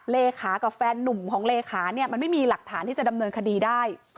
เลขากับแฟนนุ่มของเลขาเนี่ยมันไม่มีหลักฐานที่จะดำเนินคดีได้